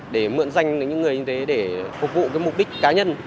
để mượn danh những người như thế để phục vụ cái mục đích cá nhân